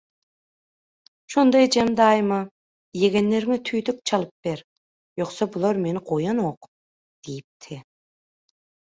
Şonda ejem, daýyma «Ýegenleriňe tüýdük çalyp ber, ýogsa bular meni goýanok» diýipdi.